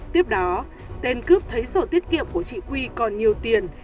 tiếp đó tên cướp thấy sổ tiết kiệm của chị quy còn nhiều tiền